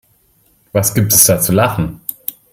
Was gibt es da zu lachen?